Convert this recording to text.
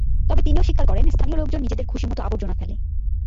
তবে তিনিও স্বীকার করেন, স্থানীয় লোকজন নিজেদের খুশি মতো আবর্জনা ফেলে।